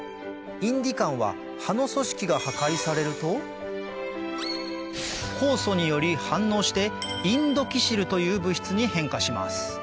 インディカンは葉の組織が破壊されると酵素により反応してインドキシルという物質に変化します